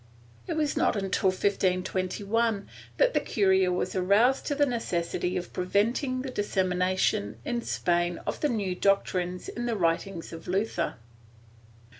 ^ It was not until 1521 that the curia was aroused to the necessity of preventing the dissemination in Spain of the new doctrines in the writings of Luther.